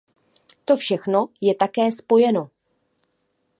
To všechno je také spojeno.